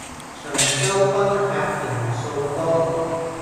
長洲賓客人數多